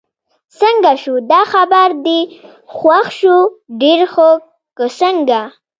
څنګه شو، دا خبر دې خوښ شو؟ ډېر ښه، که څنګه؟